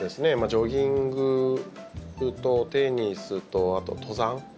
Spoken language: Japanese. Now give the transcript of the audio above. ジョギングとテニスとあと登山。